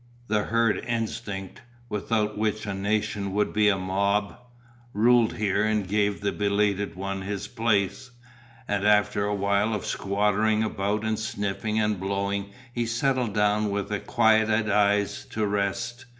The herd instinct, without which a nation would be a mob, ruled here and gave the belated one his place, and after a while of squattering about and sniffing and blowing he settled down with quieted eyes to rest.